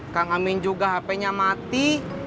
kang amin juga hp nya mati